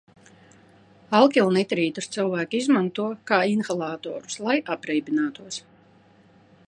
Alkilnitrītus cilvēki izmanto kā inhalantus, lai apreibinātos.